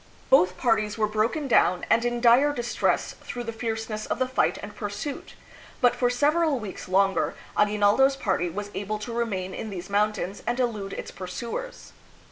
Both parties were broken down and in dire distress through the fierceness of the fight and pursuit, but for several weeks longer Agui naldo 's party was able to remain in these mountains and elude its pursuers.